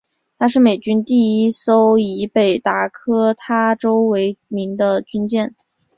她是美军第一艘以北达科他州为名的军舰。